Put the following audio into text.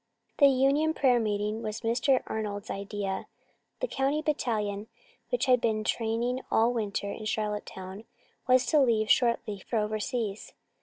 The union prayer meeting was Mr. Arnold's idea. The county battalion, which had been training all winter in Charlottetown, was to leave shortly for overseas.